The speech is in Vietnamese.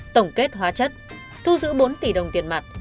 tổng kết hóa chất thu giữ bốn tỷ đồng tiền mặt